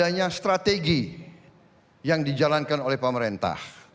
adanya strategi yang dijalankan oleh pemerintah